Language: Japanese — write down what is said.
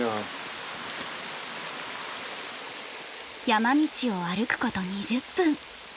山道を歩くこと２０分。